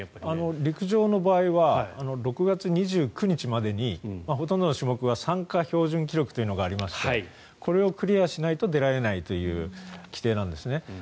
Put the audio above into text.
陸上の場合は６月２９日までにほとんどの種目は参加標準記録というのがありましてこれをクリアしないと出られないという規定なんですね。